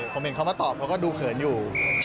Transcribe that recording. ผมเห็นเขามาตอบเขาก็ดูเขินอยู่